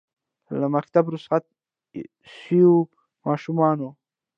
له مکتبه رخصت سویو ماشومانو